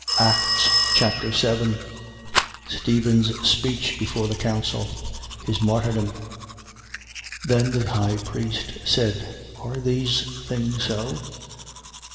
Acts Chapter 7 Stephen's speech before the council. His martyrdom. 7:1. Then the high priest said: Are these things so?